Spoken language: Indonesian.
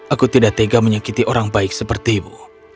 aku tidak tega menyakiti orang baik sepertimu